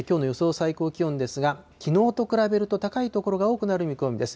最高気温ですが、きのうと比べると高い所が多くなる見込みです。